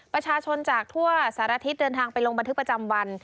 ประชาชนจากทั่วสารทิศเดินทางไปลงบันทึกประจำวัน